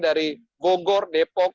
dari gogor depok